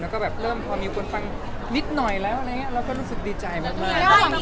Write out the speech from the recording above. แล้วก็แบบเริ่มพอมีคนฟังนิดหน่อยแล้วอะไรอย่างนี้เราก็รู้สึกดีใจหมดเลย